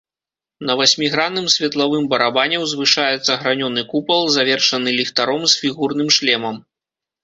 На васьмігранным светлавым барабане ўзвышаецца гранёны купал, завершаны ліхтаром з фігурным шлемам.